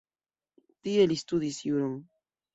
Tie li studis juron.